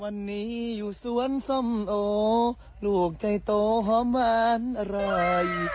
วันนี้อยู่สวนส้มโอลูกใจโตหอมหวานอร่อย